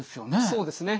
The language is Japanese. そうですね。